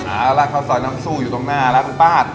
เอาล่ะข้าวซอยน้ำซู่อยู่ตรงหน้าแล้วคุณป้า